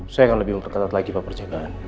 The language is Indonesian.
saya akan lebih memperketat lagi pak perjagaan